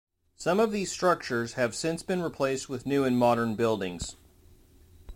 Some of these structures have since been replaced with new and modern buildings.